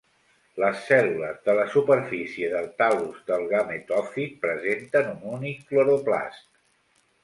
Les cèl·lules de la superfície del tal·lus del gametòfit presenten un únic cloroplast.